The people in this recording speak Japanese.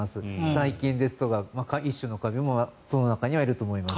細菌ですとか一種のカビもその中に入ると思います。